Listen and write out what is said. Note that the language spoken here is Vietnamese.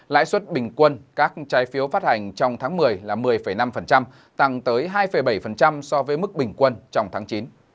lãi suất bình quân các trái phiếu phát hành trong tháng một mươi là một mươi năm tăng tới hai bảy so với mức bình quân trong tháng chín